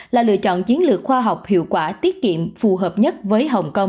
là lựa chọn chiến lược khoa học hiệu quả tiết kiệm phù hợp nhất với hồng kông